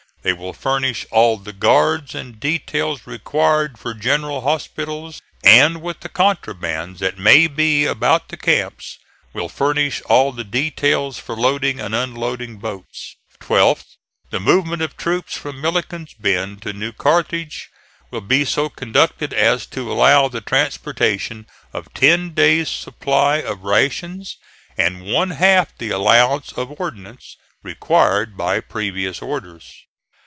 They will furnish all the guards and details required for general hospitals, and with the contrabands that may be about the camps, will furnish all the details for loading and unloading boats. Twelfth. The movement of troops from Milliken's Bend to New Carthage will be so conducted as to allow the transportation of ten days' supply of rations, and one half the allowance of ordnance, required by previous orders.